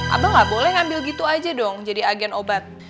abang nggak boleh ngambil gitu aja dong jadi agen obat